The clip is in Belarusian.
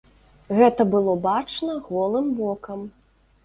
Гэта было бачна голым вокам.